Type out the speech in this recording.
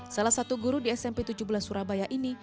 salah satu guru di smp tujuh belas surabaya ini